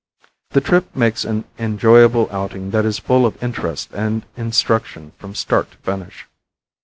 The trip makes an enjoyable outing that is full of interest and instruction from start to finish.